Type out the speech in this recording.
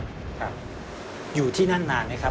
ครับอยู่ที่นั่นนานไหมครับ